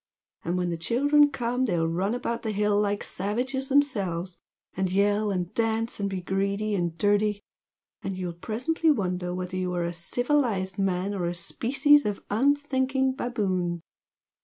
And when the children come they'll run about the hill like savages themselves, and yell and dance and be greedy and dirty and you'll presently wonder whether you are a civilised man or a species of unthinking baboon!